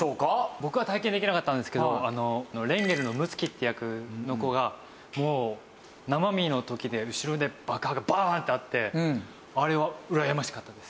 僕は体験できなかったんですけどレンゲルの睦月って役の子がもう生身の時で後ろで爆破がバーン！ってあってあれはうらやましかったです。